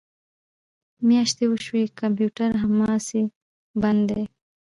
میاشتې وشوې کمپیوټر هماسې بند دی